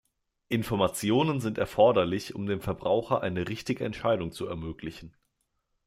Informationen sind erforderlich, um dem Verbraucher eine richtige Entscheidung zu ermöglichen.